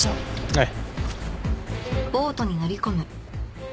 はい。